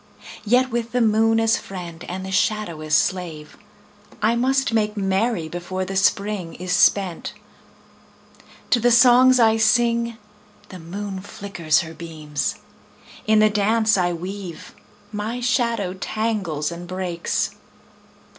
Yet with the moon as friend and the shadow as slave I must make merry before the Spring is spent. To the songs I sing the moon flickers her beams; In the dance I weave my shadow tangles and breaks.